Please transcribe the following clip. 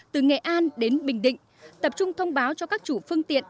từ nghệ an đến bình định tập trung thông báo cho các chủ phương tiện